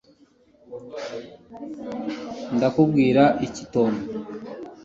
ndabwira iki tom